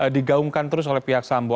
digaungkan terus oleh pihak sambo